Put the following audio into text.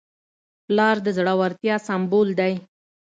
پلار د زړورتیا سمبول دی.